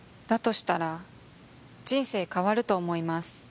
したら人生変わると思います